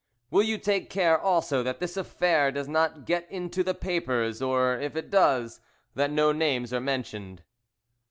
Will you take care, also, that this affair does not get into the papers, or, if it does, that no names are mentioned."